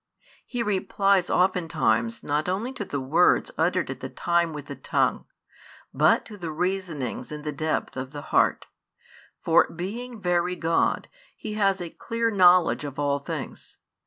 He replies oftentimes not only to the words uttered at the time with the tongue, but to the reasonings in the depth [of the heart]; for being Very God, He has a clear knowledge of all things.